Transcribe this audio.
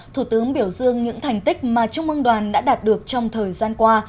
thủ tướng biểu dương những thành tích mà trung ương đoàn đã đạt được trong thời gian qua